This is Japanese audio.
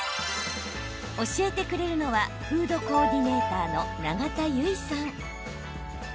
教えてくれるのはフードコーディネーターのナガタユイさん。